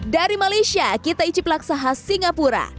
dari malaysia kita icip laksa khas singapura